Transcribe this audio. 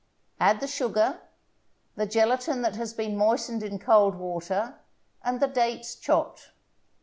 Add the sugar, the gelatin that has been moistened in cold water, and the dates chopped.